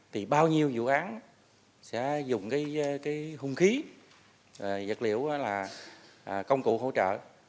thì bao nhiêu vụ án sẽ dùng cái hùng khí vật liệu công cụ hỗ trợ